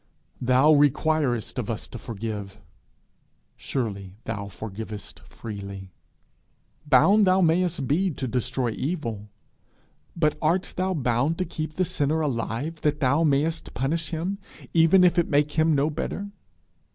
Thou requirest of us to forgive: surely thou forgivest freely! Bound thou mayest be to destroy evil, but art thou bound to keep the sinner alive that thou mayest punish him, even if it make him no better?